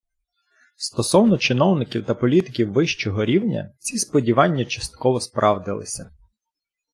Стосовно чиновників та політиків вищого рівня, ці сподівання частково справдилися.